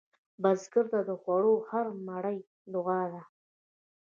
بزګر ته د خوړو هره مړۍ دعا ده